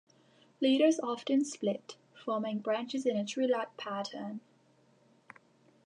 Leaders often split, forming branches in a tree-like pattern.